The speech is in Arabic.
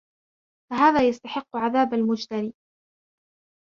فَهَذَا يَسْتَحِقُّ عَذَابَ الْمُجْتَرِئِ